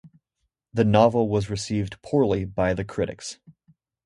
The novel was received poorly by the critics.